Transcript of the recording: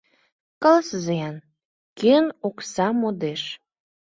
Каласыза-ян: кӧн окса модеш?